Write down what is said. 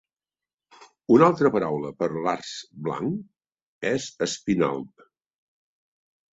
Una altra paraula per a l'arç blanc és espinalb.